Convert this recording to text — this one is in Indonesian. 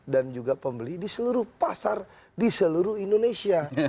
dan juga pembeli di seluruh pasar di seluruh indonesia